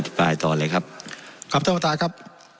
อธิบายต่อเลยครับครับท่านวันตายครับ